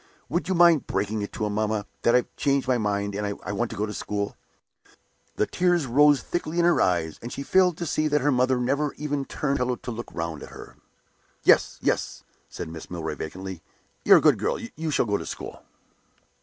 Would you mind breaking it to him, mamma, that I've changed my mind, and I want to go to school?" The tears rose thickly in her eyes, and she failed to see that her mother never even turned on the pillow to look round at her. "Yes, yes," said Mrs. Milroy, vacantly. "You're a good girl; you shall go to school."